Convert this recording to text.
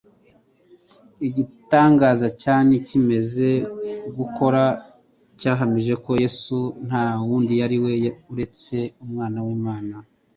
Igitangaza cyani kimaze gukorwa cyahamije ko Yesu nta wundi yari we keretse Umwana w'Imana.